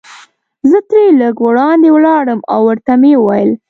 زه ترې لږ وړاندې ولاړم او ورته مې وویل.